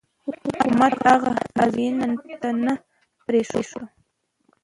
حکومت هغه ازموینې ته نه پرېښود.